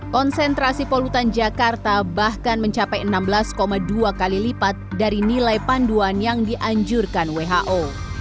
konsentrasi polutan jakarta bahkan mencapai enam belas dua kali lipat dari nilai panduan yang dianjurkan who